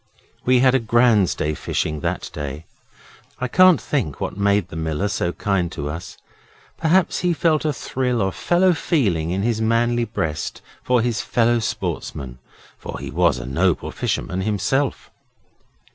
We had a grand day's fishing that day. I can't think what made the miller so kind to us. Perhaps he felt a thrill of fellow feeling in his manly breast for his fellow sportsmen, for he was a noble fisherman himself.